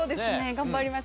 頑張ります。